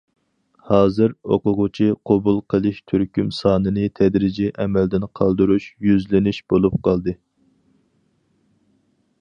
ھازىر، ئوقۇغۇچى قوبۇل قىلىش تۈركۈم سانىنى تەدرىجىي ئەمەلدىن قالدۇرۇش يۈزلىنىش بولۇپ قالدى.